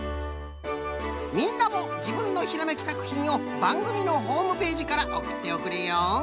みんなもじぶんのひらめきさくひんをばんぐみのホームページからおくっておくれよ！